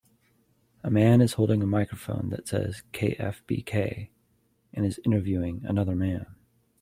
A man is holding a microphone that says KFBK and is interviewing another man.